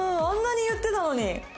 あんなにいってたのに。